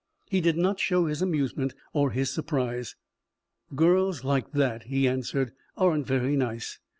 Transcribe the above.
He did not show his amusement or his surprise. "Girls like that," he answered, "aren't very nice.